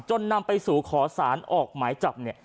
จนนำไปสู่ขอสารออกหมายจับ